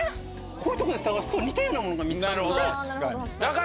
こういうとこで探すと似たようなものが見つかるので。